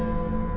aku mau lihat